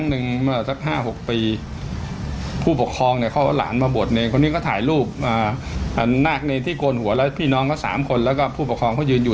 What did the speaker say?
เห็นสิ่งอื่นเค้าถ่ายรูปนากเนรที่โกนหัวแล้วพี่น้องสามคนแล้วก็ผู้ปกครองก็ยืนอยู่